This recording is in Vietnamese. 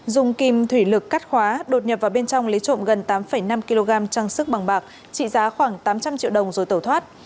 dùng kim thủy lực cắt khóa đột nhập vào bên trong lấy trộm gần tám năm kg trang sức bằng bạc trị giá khoảng tám trăm linh triệu đồng rồi tẩu thoát